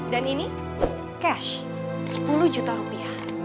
dan ini cash sepuluh juta rupiah